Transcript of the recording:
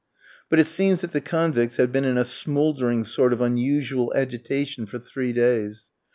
But it seems that the convicts had been in a smouldering sort of unusual agitation for three days.